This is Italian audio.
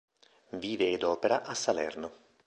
Vive ed opera a Salerno.